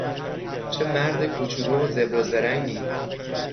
چه مرد کوچولو و زبر و زرنگی!